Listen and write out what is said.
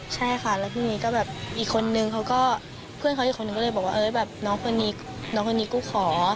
ใช่ค่ะแล้วพรุ่งนี้ก็แบบอีกคนนึงเขาก็เพื่อนเขาอีกคนนึงก็เลยบอกว่าเออแบบน้องคนนี้น้องคนนี้กูขอ